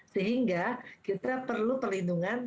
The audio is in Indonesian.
sehingga kita perlu pelindungan